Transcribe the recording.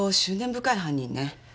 深い犯人ね。